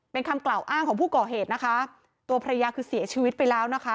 เป็นคำกล่าวอ้างของผู้ก่อเหตุนะคะตัวภรรยาคือเสียชีวิตไปแล้วนะคะ